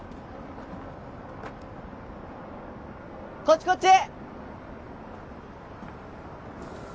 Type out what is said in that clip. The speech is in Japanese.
こっちこっち！